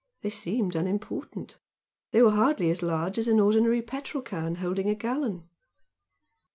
They seemed unimportant they were hardly as large as an ordinary petrol can holding a gallon.